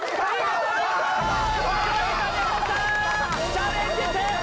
チャレンジ、成功！